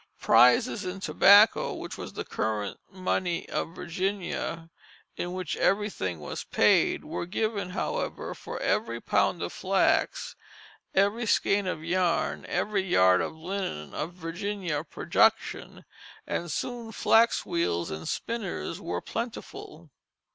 Prizes in tobacco (which was the current money of Virginia in which everything was paid) were given, however, for every pound of flax, every skein of yarn, every yard of linen of Virginia production, and soon flax wheels and spinners were plentiful.